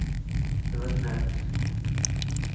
He was miffed.